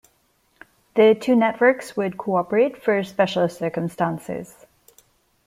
The two networks would cooperate for special circumstances.